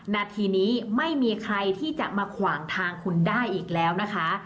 นาทีนี้ไม่มีใครที่จะมาขวางทางคุณได้อีกแล้วนะคะ